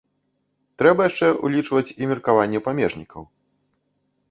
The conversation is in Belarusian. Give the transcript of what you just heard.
Трэба яшчэ ўлічваць і меркаванне памежнікаў.